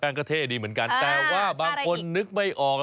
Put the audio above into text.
ก็เท่ดีเหมือนกันแต่ว่าบางคนนึกไม่ออก